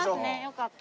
よかった。